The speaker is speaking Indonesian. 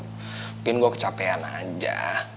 mungkin gue kecapean aja